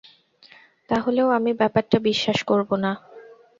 তাহলেও আমি ব্যাপারটা বিশ্বাস করব না।